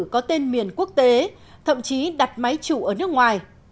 có tên miền quốc tế thậm chí đặt máy chủ ở nước ngoài